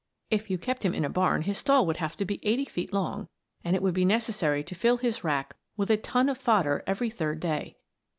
If you kept him in a barn his stall would have to be eighty feet long, and it would be necessary to fill his rack with a ton of fodder every third day.